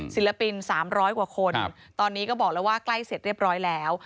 ศิลปิน๓๐๐กว่าคนตอนนี้ก็บอกแล้วว่าใกล้เสร็จเรียบร้อยแล้ว